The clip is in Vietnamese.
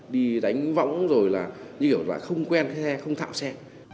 đi đánh võng rồi là như hiểu là không quen cái xe không thạo xe